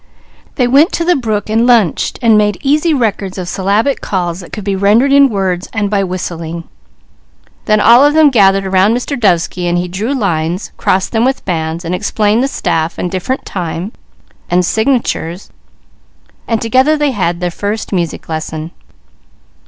They went to the brook and lunched and made easy records of syllabic calls that could be rendered in words and by whistling. Then all of them gathered around Mr. Dovesky while he drew lines, crossed them with bands and explained the staff, and different time, and signatures, and together they had their first music lesson.